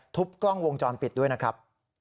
กล้องวงจรปิดด้วยนะครับ